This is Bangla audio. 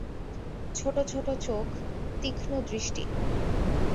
ছোটো ছোটো চোখ, তীক্ষ্ণ দৃষ্টি।